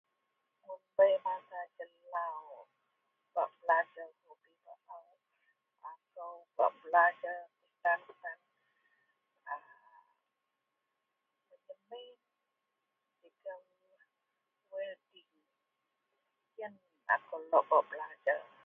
Mun bei masa jelau bak belajer ako bak belajer kuo tan..??... [unintelligible] Iyen akou lok bak belajer